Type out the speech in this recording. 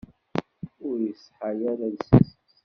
Ur iseḥḥa ara lsas-is.